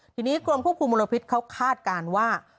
ทีนี้กรมควบคุมมลพิษเขาคาดการณ์ว่า